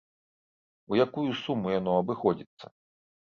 У якую суму яно абыходзіцца?